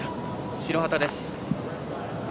白旗です。